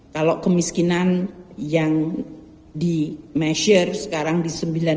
kalau kemiskinan yang di measure sekarang di sembilan tiga puluh enam